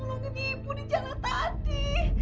nolongin ibu di jalan tadi